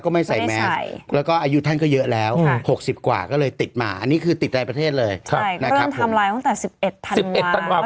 ใช่เริ่มทำลายตั้งแต่๑๑ธันวาคมก็จะมีการไล่เรียงกันมาว่าไปที่ไหนบ้าง